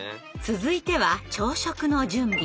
続いては朝食の準備。